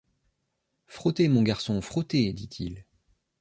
Frottez, mon garçon, frottez ! dit-il